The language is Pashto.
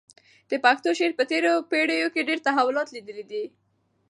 د پښتو شعر په تېرو پېړیو کې ډېر تحولات لیدلي دي.